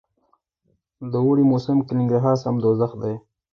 د اوړي موسم کي ننګرهار ډير ګرم وي